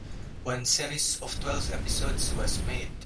One series of twelve episodes was made.